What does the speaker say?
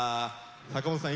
坂本さん